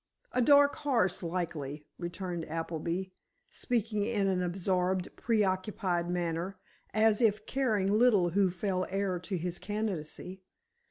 "A dark horse, likely," returned Appleby, speaking in an absorbed, preoccupied manner, as if caring little who fell heir to his candidacy.